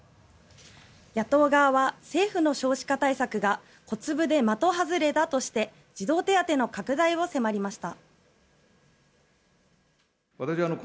野党側は政府の少子化対策が小粒で的外れだとして児童手当の拡大を迫りました。